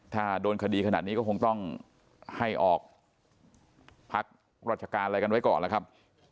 ถ้าโดนคดีขนาดนี้ก็คงต้องให้ออกพักราชการอะไรกันไว้ก่อนแล้วครับ